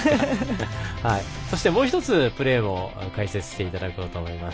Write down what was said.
そして、もう１つプレーを解説していただこうと思います。